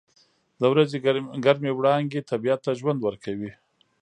• د ورځې ګرمې وړانګې طبیعت ته ژوند ورکوي.